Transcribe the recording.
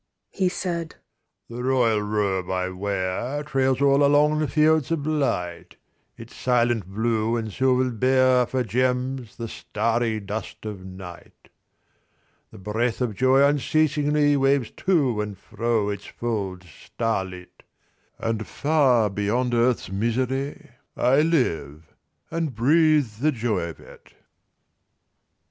He said, 'The royal robe I wear Trails all along the fields of light: Its silent blue and silver bear For gems the starry dust of night.' 'The breath of joy unceasingly Waves to and fro its folds starlit, And far beyond earth's misery I live and breathe the joy of it.'